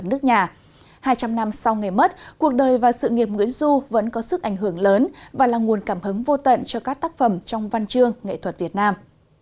trong ngày mất cuộc đời và sự nghiệp nguyễn du vẫn có sức ảnh hưởng lớn và là nguồn cảm hứng vô tận cho các tác phẩm trong văn chương nghệ thuật việt nam